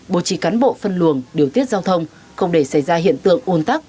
bố trì cán bộ phân luồng điều tiết giao thông không để xảy ra hiện tượng ồn tắc